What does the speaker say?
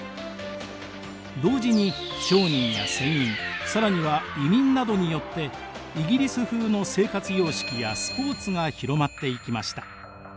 同時に商人や船員更には移民などによってイギリス風の生活様式やスポーツが広まっていきました。